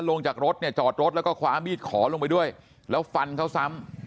ลงจากรถเนี่ยจอดรถแล้วก็คว้ามีดขอลงไปด้วยแล้วฟันเขาซ้ำ